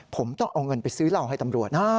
ผมต้องเอาเงินไปซื้อเหล้าให้ตำรวจนะ